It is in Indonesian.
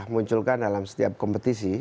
munculkan dalam setiap kompetisi